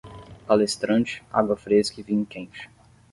Palestrante, água fresca e vinho quente.